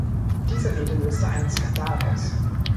Diese Rede löste einen Skandal aus.